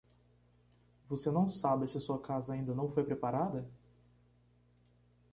Você não sabe se sua casa ainda não foi preparada?